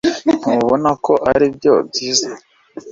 Ntubona ko aribyo byiza?